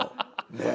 ねえ。